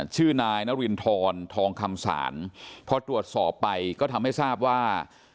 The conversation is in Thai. ชื่อนายนารินทรทองคำศาลพอตรวจสอบไปก็ทำให้ทราบว่า